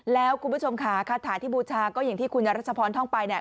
แล้วคุณผู้ชมค่ะคาถาที่บูชาก็อย่างที่คุณรัชพรท่องไปเนี่ย